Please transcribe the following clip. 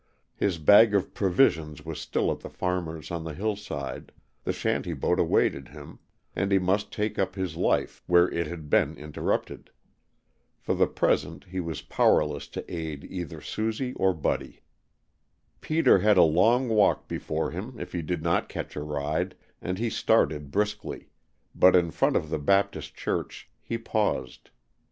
His bag of provisions was still at the farmer's on the hillside; the shanty boat awaited him, and he must take up his life where it had been interrupted. For the present he was powerless to aid either Susie or Buddy. Peter had a long walk before him if he did not catch a ride, and he started briskly, but in front of the Baptist Church he paused.